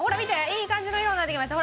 いい感じの色になってきました。